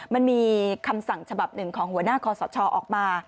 มันมีคำสั่งฉบับหนึ่งของหัวหน้าคอสชออกมา